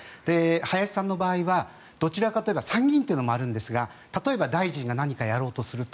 林さんの場合はどちらかといえば参議院というのもあるんですが例えば大臣が何かやろうとすると